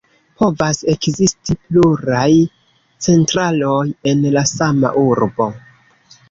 Povas ekzisti pluraj centraloj en la sama urbo.